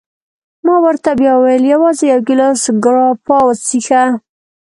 ما ورته بیا وویل: یوازي یو ګیلاس ګراپا وڅېښه.